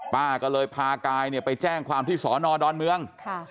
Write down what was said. ป้าก็เลยพากายไปแจ้งความที่สอนอดอนเมือง